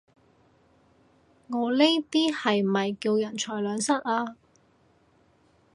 我呢啲係咪叫人財兩失啊？